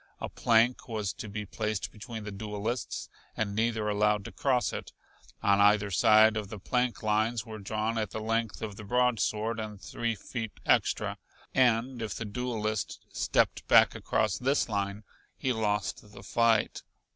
A plank was to be placed between the duelists, and neither allowed to cross it. On either side of the plank lines were drawn at the length of the broadsword and three feet extra, and if the duelist stepped back across this line he lost the fight.